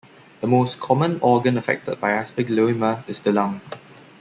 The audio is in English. The most common organ affected by aspergilloma is the lung.